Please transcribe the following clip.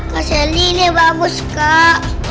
kak selly ini bagus kak